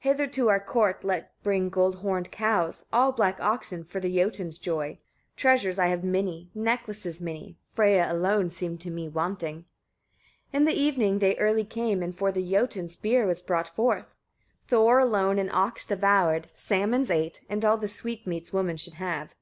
24. "Hither to our court let bring gold horned cows, all black oxen, for the Jotuns' joy. Treasures I have many, necklaces many, Freyia alone seemed to me wanting." 25. In the evening they early came, and for the Jotuns beer was brought forth. Thor alone an ox devoured, salmons eight, and all the sweetmeats women should have.